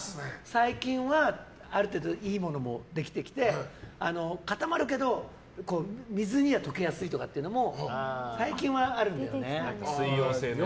最近はある程度いいものもできてきて固まるけど水には溶けやすいっていのも水溶性のやつね。